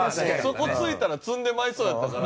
そこ突いたら詰んでまいそうやったから。